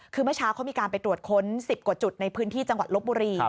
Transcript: คือเมื่อเช้าเขามีการไปตรวจค้น๑๐กว่าจุดในพื้นที่จังหวัดลบบุรี